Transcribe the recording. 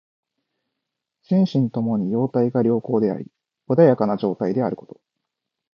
心身ともに様態が良好であり穏やかな状態であること。